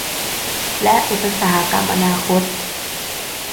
และอุตสาหกรรมอนาคต